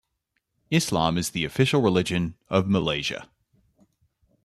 Islam is the official religion of Malaysia.